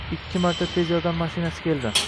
Ikki marta Tez yordam mashinasi keldi.